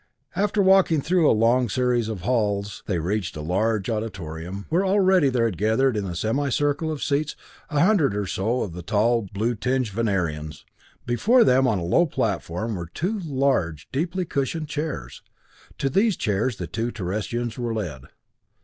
After walking through a long series of halls, they reached a large auditorium, where already there had gathered in the semi circle of seats a hundred or so of the tall, blue tinged Venerians. Before them, on a low platform, were two large, deeply cushioned chairs. To these chairs the two Terrestrians were led.